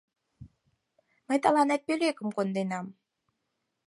Мый тыланет пӧлекым конденам.